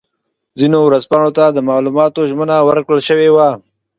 ځینو ورځپاڼو ته د معلوماتو ژمنه ورکړل شوې وه.